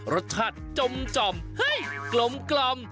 รสชาติจมเฮ้ยกลม